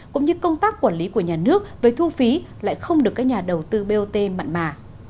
cũng như công tác quản lý của nhà nước với thu phí lại không được các nhà đầu tư bot mặn mà